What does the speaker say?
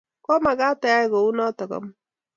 Komagat iyai kounoto amut